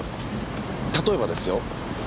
例えばですよ